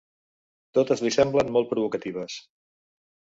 Totes li semblen molt provocatives.